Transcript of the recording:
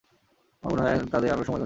আমার মনে হয় তাদের আরও সময় দরকার।